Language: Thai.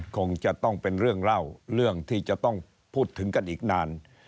คงจะต้องเป็นเรื่องเล่าเรื่องที่จะต้องพูดถึงกันอีกนาน